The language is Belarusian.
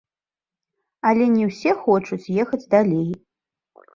Але не ўсе хочуць ехаць далей.